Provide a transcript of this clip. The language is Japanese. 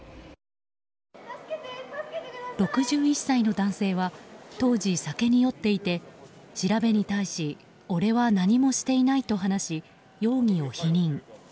６１歳の男性は当時、酒に酔っていて調べに対し俺は何もしていないと話し容疑を否認。